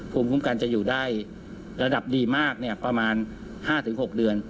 ภูมิคุ้มกันจะอยู่ได้ระดับดีมากประมาณ๕๖เดือน